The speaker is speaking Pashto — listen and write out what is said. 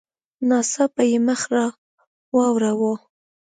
ناڅاپه یې مخ را واړاوه.